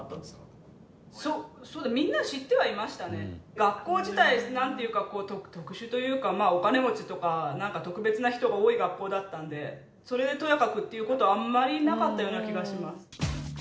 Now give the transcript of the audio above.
学校自体なんていうか特殊というかお金持ちとかなんか特別な人が多い学校だったのでそれでとやかくっていう事はあんまりなかったような気がします。